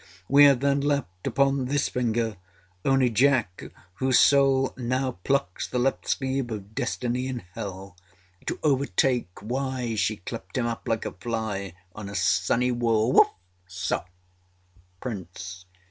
We have then left upon this finger, only Jack whose soul now plucks the left sleeve of Destiny in Hell to overtake why she clapped him up like a fly on a sunny wall. Whuff! Soh! PRINCE.